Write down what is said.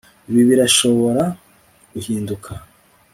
Ibi birashobora guhinduka